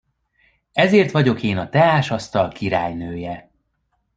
Ezért vagyok én a teásasztal királynője.